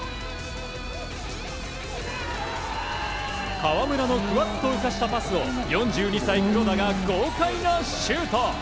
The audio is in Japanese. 川村のふわっと浮かしたパスを４２歳、黒田が豪快なシュート！